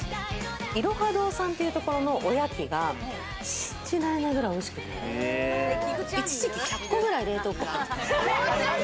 いろは堂さんというところのおやきが、信じられないくらい美味しくて、一時期１００個くらい冷凍庫に入ってた。